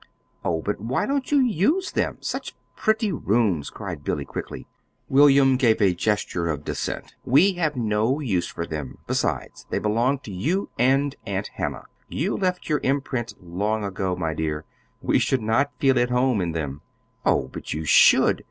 "Oh, but why don't you use them? such pretty rooms!" cried Billy, quickly. William gave a gesture of dissent. "We have no use for them; besides, they belong to you and Aunt Hannah. You left your imprint long ago, my dear we should not feel at home in them." "Oh, but you should!